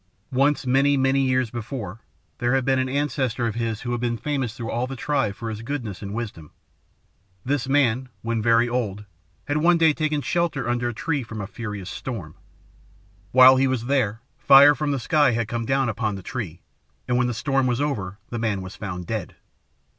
"Once, many, many years before, there had been an ancestor of his who had been famous through all the tribe for his goodness and wisdom. This man, when very old, had one day taken shelter under a tree from a furious storm. While he was there fire from the sky had come down upon the tree, and when the storm was over the man was found dead.